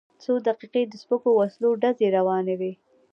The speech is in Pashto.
څو دقیقې د سپکو وسلو ډزې روانې وې.